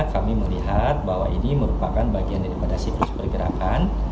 kami melihat bahwa ini merupakan bagian daripada siklus pergerakan